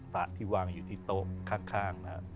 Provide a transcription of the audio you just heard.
ตะที่วางอยู่ที่โต๊ะข้างนะครับ